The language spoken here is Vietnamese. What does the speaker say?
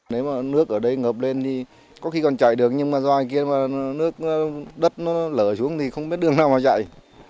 nếu mà nước ở đây ngập lên thì có khi còn chạy đường nhưng mà do anh kia mà nước đất nó lở xuống thì không biết đường nào mà chạy